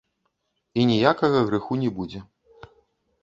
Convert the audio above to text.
І ніякага грэху не будзе.